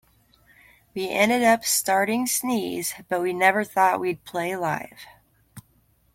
We ended up starting Sneeze, but we never thought we'd play live.